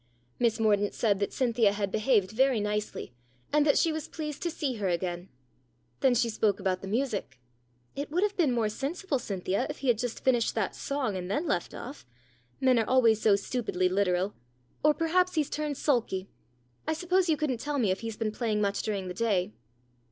Miss Mordaunt said that Cynthia had behaved very nicely, and that she was pleased to see her THE DOLL 173 again. Then she spoke about the music. " It would have been more sensible, Cynthia, if he had just finished that song and then left off. Men are always so stupidly literal. Or perhaps he's turned sulky. I suppose you couldn't tell me if he's been playing much during the day."